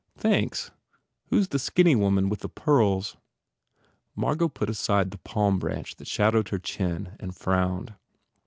"Thanks. Who s the skinny woman with the pearls?" Margot put aside the palm branch that shad owed her chin and frowned.